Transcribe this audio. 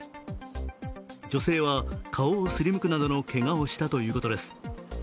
女性は、顔をすりむくなどのけがをしたということです。